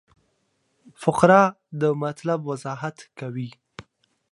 فقره د مطلب وضاحت کوي.